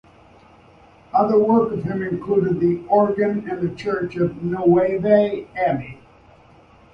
Other work of him included the organ in the church of Ninove Abbey.